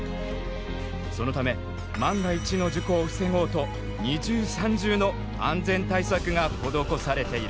そのため万が一の事故を防ごうと２重３重の安全対策が施されている。